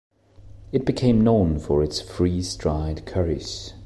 It became known for its freeze-dried curries.